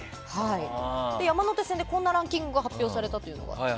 山手線でこんなランキングが発表されたと。